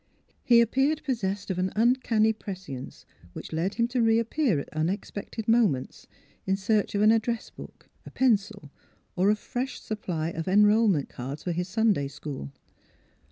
He appeared possessed of an uncanny prescience which led him to reappear at unexpected moments in search of an address book, a pencil, or a fresh supjDly of enrollment cards for his Sunday school.